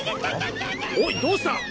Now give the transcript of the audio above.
おいどうした？